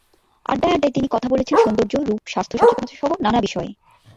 আড্ডায় আড্ডায় তিনি কথা বলেছেন সৌন্দর্য, রূপ, স্বাস্থ্য সচেতনতাসহ নানা বিষয়ে।